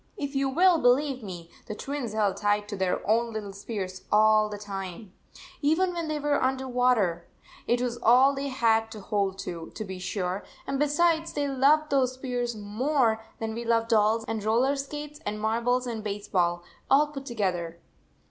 If you will believe me, the Twins held tight to their own little spears all the time, even when they were under the water ! It was all they had to hold to, to be sure, and besides, they loved those spears more than 77 we love dolls and roller skates and marbles and baseball, all put together.